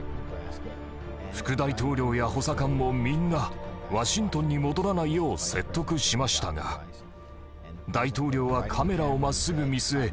副大統領や補佐官もみんなワシントンに戻らないよう説得しましたが大統領はカメラをまっすぐ見据え